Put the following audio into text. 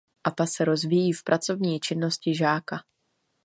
A ta se rozvíjí v pracovní činnosti žáka.